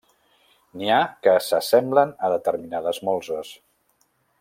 N'hi ha que s'assemblen a determinades molses.